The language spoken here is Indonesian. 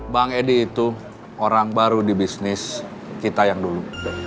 bang edi itu orang baru di bisnis kita yang dulu